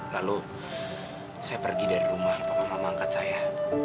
lalu saya pergi dari rumah mama papa angkat saya